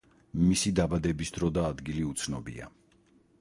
მისი დაბადების დრო და ადგილი უცნობია.